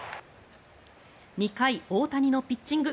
２回、大谷のピッチング。